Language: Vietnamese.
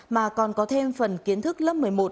mà còn có thêm phần kiến thức lớp một mươi một